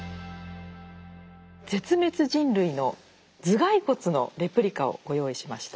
絶滅人類の頭蓋骨のレプリカをご用意しました。